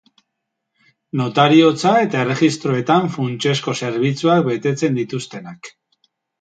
Notariotza eta erregistroetan funtsezko zerbitzuak betetzen dituztenak.